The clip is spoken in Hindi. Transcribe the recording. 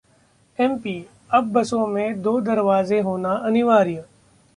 एमपी: अब बसों में दो दरवाजे होना अनिवार्य